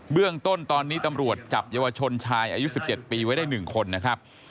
เรื่องต้นตอนนี้ตำรวจจับเยาวชนชายอายุ๑๗ปีไว้ได้๑คนนะครับ